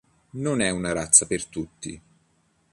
Non è una razza per tutti.